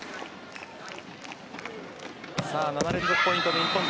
７連続ポイントの日本